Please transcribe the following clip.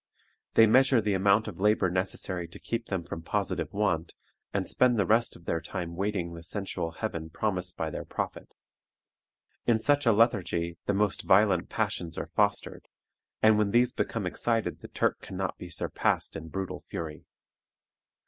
They measure the amount of labor necessary to keep them from positive want, and spend the rest of their time waiting the sensual heaven promised by their prophet. In such a lethargy the most violent passions are fostered, and when these become excited the Turk can not be surpassed in brutal fury.